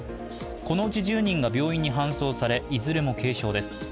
このうち１０人が病院に搬送され、いずれも軽傷です。